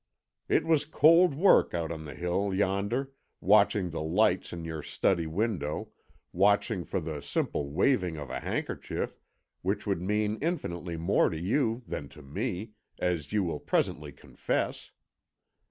It was cold work out on the hill yonder, watching the lights in your study window, watching for the simple waving of a handkerchief, which would mean infinitely more to you than to me, as you will presently confess.